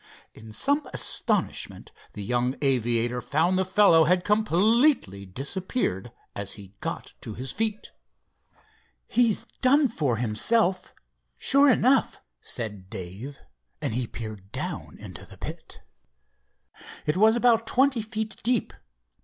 In some astonishment the young aviator found the fellow had completely disappeared as he got to his feet. "He's done for himself, sure enough," said Dave, and he peered down into the pit. It was about twenty feet deep.